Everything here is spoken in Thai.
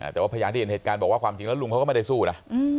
แต่ว่าพยานที่เห็นเหตุการณ์บอกว่าความจริงแล้วลุงเขาก็ไม่ได้สู้นะ